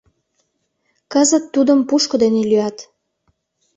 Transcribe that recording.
Кызыт тудым пушко дене лӱят.